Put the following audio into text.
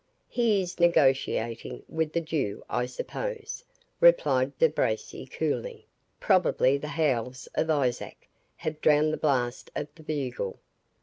"He is negotiating with the Jew, I suppose," replied De Bracy, coolly; "probably the howls of Isaac have drowned the blast of the bugle.